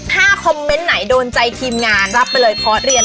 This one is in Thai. ถ้าคอมเมนต์ไหนโดนใจทีมงานรับไปเลยพอสเรียน